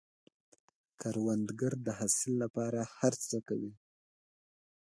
کروندګر د حاصل له پاره هر څه کوي